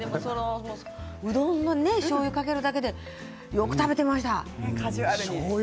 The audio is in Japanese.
うどんにかけるだけでよく食べていました。